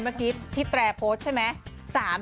เมื่อกี้ที่แตรโพสต์ใช่ไหม